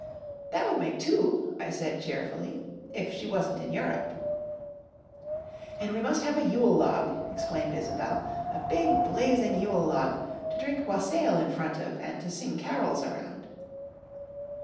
"That would make two," I said cheerfully, "if she wasn't in Europe." "And we must have a Yule log!" exclaimed Isobel. "A big, blazing Yule log, to drink wassail in front of, and to sing carols around."